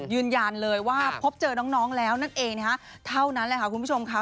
ยืนยันเลยว่าพบเจอน้องแล้วนั่นเองนะคะเท่านั้นแหละค่ะคุณผู้ชมค่ะ